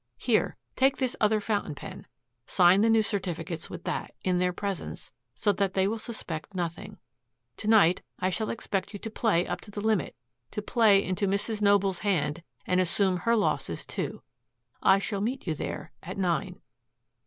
Here take this other fountain pen, sign the new certificates with that, in their presence so that they will suspect nothing. To night I shall expect you to play up to the limit, to play into Mrs. Noble's hand and assume her losses, too. I shall meet you there at nine."'